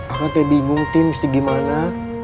akan teh bingung tin mesti gimana